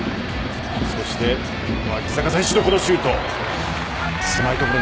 そして脇坂選手のこのシュート。